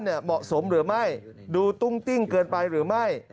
เหมาะสมหรือไม่ดูตุ้งติ้งเกินไปหรือไม่